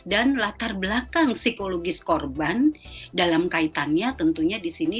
dan latar belakang psikologis korban dalam kaitannya tentunya disini